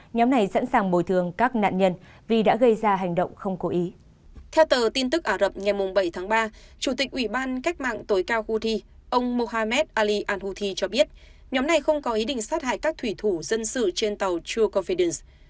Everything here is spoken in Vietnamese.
nhóm này không có ý định sát hại các thủy thủ dân sự trên tàu true confidence